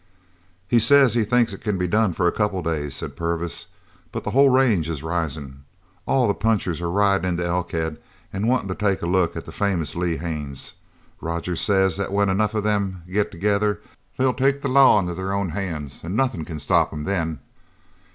"He says he thinks it c'n be done for a couple of days," said Purvis, "but the whole range is risin'. All the punchers are ridin' into Elkhead an' wantin' to take a look at the famous Lee Haines. Rogers says that when enough of 'em get together they'll take the law in their own hands an' nothin' can stop 'em then."